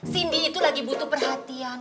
cindy itu lagi butuh perhatian